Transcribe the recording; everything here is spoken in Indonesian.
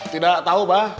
tidak tahu abah